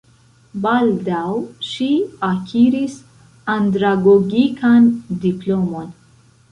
Baldaŭ ŝi akiris andragogikan diplomon.